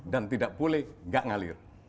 dan tidak boleh nggak ngalir